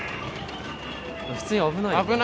普通に危ないよな。